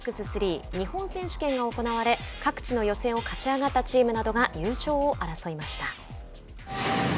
日本選手権が行われ各地の予選を勝ち上がったチームなどが優勝を争いました。